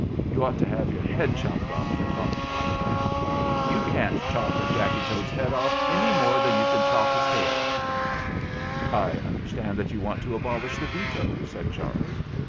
"You ought 10 have your head chopped off for talking like that." "You can't do it," answered Marsh Galloper. "You can't chop a Jacky Toad's head off any more than you can chop his tail off." "I understand that you want to abolish the Veto," said Charles.